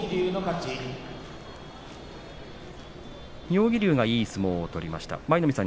妙義龍がいい相撲を取りました。